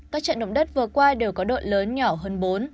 các trận động đất vừa qua đều có độ lớn nhỏ hơn bốn